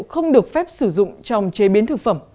không được phép sử dụng trong chế biến thực phẩm